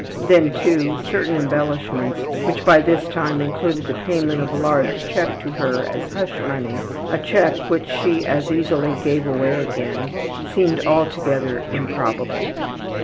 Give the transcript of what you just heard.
Then, too, certain embellishments, which by this time included the payment of a large check to her as hush money, a check which she as easily gave away again, seemed altogether improbable.